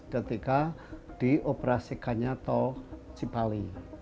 ketika dioperasikannya tol cipali